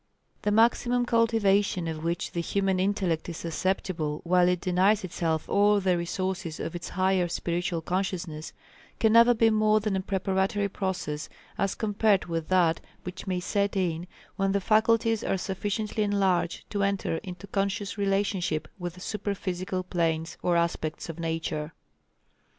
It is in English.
The maximum cultivation of which the human intellect is susceptible while it denies itself all the resources of its higher spiritual consciousness, can never be more than a preparatory process as compared with that which may set in when the faculties are sufficiently enlarged to enter into conscious relationship with the super physical planes or aspects of Nature.